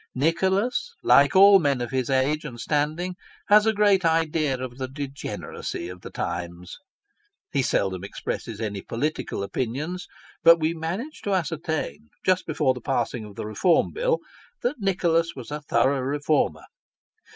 Nicholas, like all men of his age and standing, has a great idea of the degeneracy of the times. He seldom expresses any political opinions, but wo managed to ascertain, just before the passing of the Reform Bill, that Nicholas was a thorough Reformer.